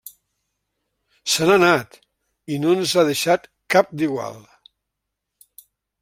Se n'ha anat, i no ens ha deixat cap d'igual.